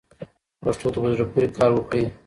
پښتو ته په زړه پورې کار وکړئ.